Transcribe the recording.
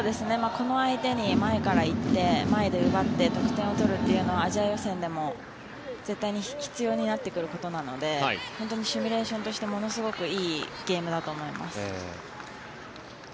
この相手に前から行って前で奪って得点を取るというのはアジア予選でも絶対に必要になってくることなので本当にシミュレーションとしてものすごいいいゲームだと思います。